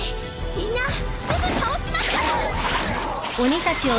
みんなすぐ倒しますから！